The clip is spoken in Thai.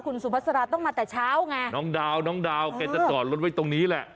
คุณสุพัสราต้องมาแต่เช้าไงน้องดาวแกจะจอดรถไว้ตรงนี้แหละ